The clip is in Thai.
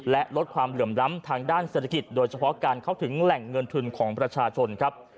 และลดความเหลื่อมล้ำทางด้านเศรษฐกิจโดยเฉพาะการเข้าถึงแหล่งเงินทุนของประชาชนครับ